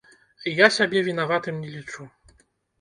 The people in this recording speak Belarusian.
Я сябе вінаватым не лічу.